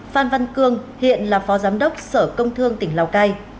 phan văn cương hiện là phó giám đốc sở công thương tỉnh lào cai